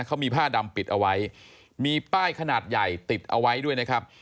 เขามีผ้าดำปิดเอาไว้มีป้ายขนาดใหญ่ติดเอาไว้ด้วยนะครับ